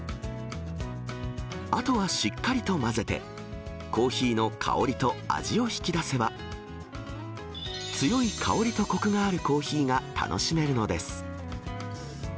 あとはしっかりと混ぜて、コーヒーの香りと味を引き出せば、強い香りとこくがあるコーヒーが楽しめるのです。